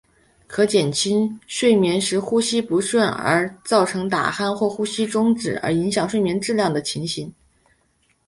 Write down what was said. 可减轻睡眠时呼吸不顺而造成打鼾或呼吸中止而影响睡眠的情形。